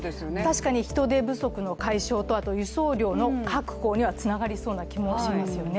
確かに人手不足の解消と輸送量の確保にはつながりそうな気がしますよね。